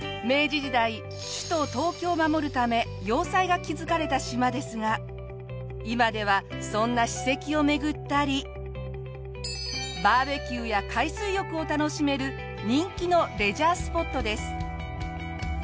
明治時代首都・東京を守るため要塞が築かれた島ですが今ではそんな史跡を巡ったりバーベキューや海水浴を楽しめる人気のレジャースポットです。